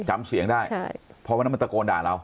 จำเสียงได้เพราะว่ามันตะโกนด่าเรา